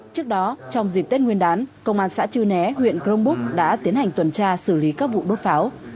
trước đó trong dịp tết nguyên đán công an xã chư né huyện crong búc đã tiến hành tuần tra xử lý các vụ đốt pháo